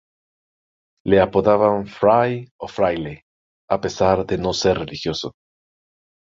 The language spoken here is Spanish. Le apodaban fray o fraile, a pesar de no ser religioso.